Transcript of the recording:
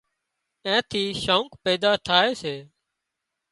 اين ٿي شوق پيدا ٿائي سي